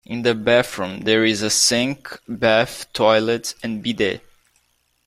In the bathroom there is a sink, bath, toilet and bidet.